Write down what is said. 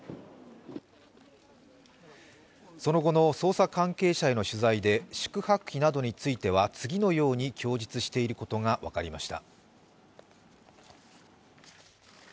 その後の捜査関係者への取材で、宿泊費などについては次のように供述していることが分かりました。